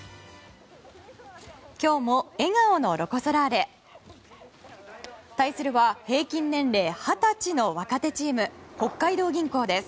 今日も笑顔のロコ・ソラーレ。対するは平均年齢二十歳の若手チーム、北海道銀行です。